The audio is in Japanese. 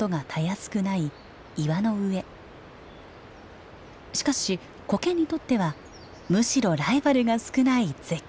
しかしコケにとってはむしろライバルが少ない絶好の場所なのです。